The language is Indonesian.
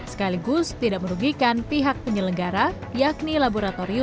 sekaligus tidak merugikan pihak penyelenggara yakni laboratorium